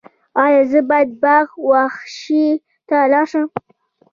ایا زه باید باغ وحش ته لاړ شم؟